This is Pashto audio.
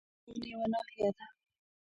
خراسان یوه ناحیه ده.